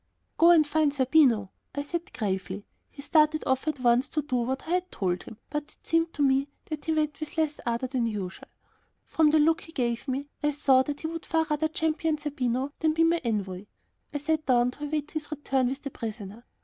"Go and find Zerbino," I said gravely. He started off at once to do what I told him, but it seemed to me that he went with less ardor than usual. From the look that he gave me, I saw that he would far rather champion Zerbino than be my envoy. I sat down to await his return with the prisoner.